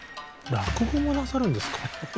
落語もなさるんですか？